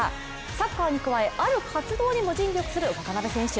サッカーに加え、ある活動にも尽力する渡邊選手。